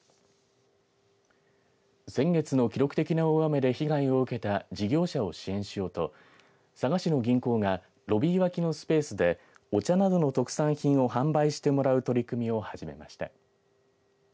先月の記録的な大雨で被害を受けた事業者を支援しようと佐賀市の銀行がロビー脇のスペースでお茶などの特産品を販売してもらう取り組みを始めました。